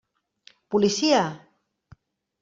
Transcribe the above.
Policia!